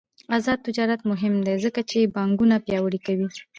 آزاد تجارت مهم دی ځکه چې بانکونه پیاوړي کوي.